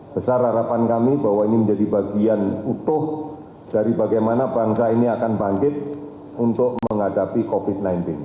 besar harapan kami bahwa ini menjadi bagian utuh dari bagaimana bangsa ini akan bangkit untuk menghadapi covid sembilan belas